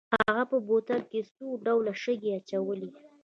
هغه په بوتل کې څو ډوله شګې اچولې.